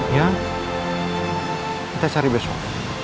ya kita cari besok